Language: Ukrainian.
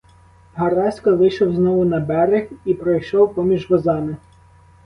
Гарасько вийшов знову на берег і пройшов поміж возами.